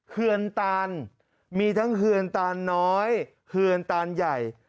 เฮือนตานมีทั้งเฮือนตานน้อยเฮือนตานใหญ่